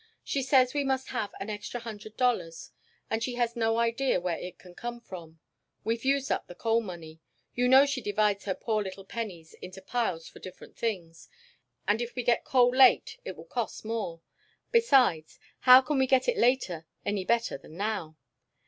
"She says we must have an extra hundred dollars and she has no idea where it can come from. We've used up the coal money you know she divides her poor little pennies into piles for different things and if we get coal late it will cost more, besides, how can we get it later any better than now?